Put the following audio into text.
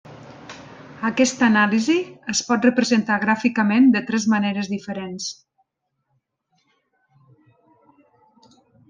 Aquesta anàlisi es pot representar gràficament de tres maneres diferents.